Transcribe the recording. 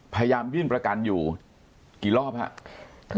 พยายามยื่นประกันอยู่กี่รอบครับ